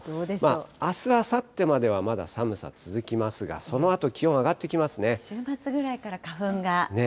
あす、あさってまではまだ寒さ続きますが、そのあと気温上がってきますね。